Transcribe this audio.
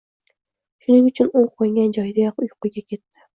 Shuning uchun u qo‘ngan joyidayoq uyquga ketdi.